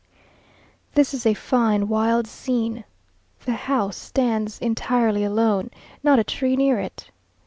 This is a fine wild scene. The house stands entirely alone; not a tree near it.